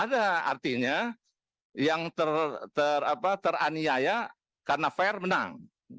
ada artinya yang teraniaya karena fair menang